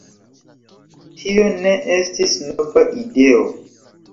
Tio ne estis nova ideo.